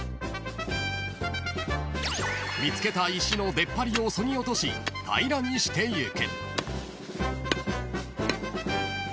［見つけた石の出っ張りをそぎ落とし平らにしてゆく］